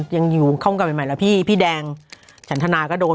ยังอยู่คล่องกับใหม่แล้วพี่แดงฉันทนาก็โดน